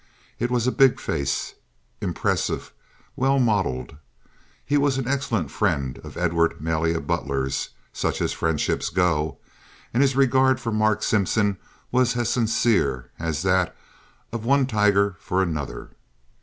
It was a big face, impressive, well modeled. He was an excellent friend of Edward Malia Butler's, as such friendships go, and his regard for Mark Simpson was as sincere as that of one tiger for another.